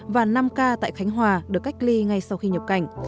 và năm ca tại khánh hòa được cách ly ngay sau khi nhập cảnh